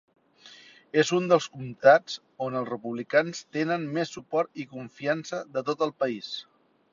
És un dels comtats on els republicans tenen més suport i confiança de tot el país.